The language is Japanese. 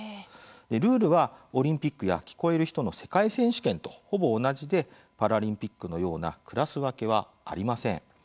ルールはオリンピックや聞こえる人の世界選手権とほぼ同じで、パラリンピックのようなクラス分けはありません。